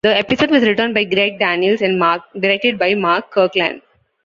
The episode was written by Greg Daniels, and directed by Mark Kirkland.